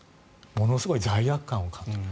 ものすごい罪悪感を感じる。